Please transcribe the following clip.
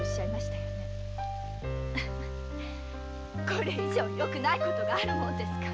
これ以上よくないことなんかあるものですか。